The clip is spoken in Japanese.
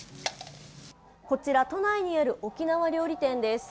こちら、都内にある沖縄料理店です。